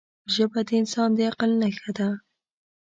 ژبه د انسان د عقل نښه ده